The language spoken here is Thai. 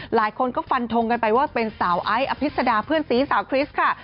หลายคนก็ฟันทงกันไปว่าเป็นสาวไอซ์อภิษดาเพื่อนสีสาวคริสต์ค่ะ